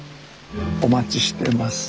お待ちしてます。